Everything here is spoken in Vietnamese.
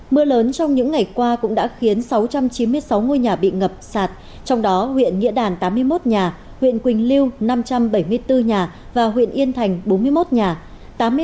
mưa lớn trong những ngày qua cũng đã khiến sáu trăm chín mươi sáu ngôi nhà bị ngập sạt trong đó huyện nghĩa đàn tám mươi một nhà huyện quỳnh lưu năm trăm bảy mươi bốn nhà và huyện yên thành bốn mươi một nhà